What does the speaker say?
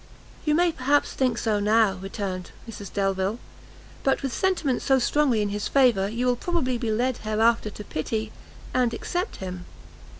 "You may perhaps think so now," returned Mrs Delvile; "but with sentiments so strongly in his favour, you will probably be led hereafter to pity and accept him."